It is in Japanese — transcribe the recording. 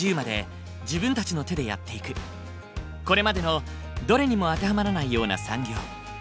これまでのどれにも当てはまらないような産業。